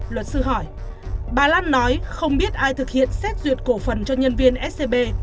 luật sư hỏi bà lan nói không biết ai thực hiện xét duyệt cổ phần cho nhân viên scb